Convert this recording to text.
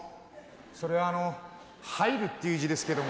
それはあの「入る」っていう字ですけども。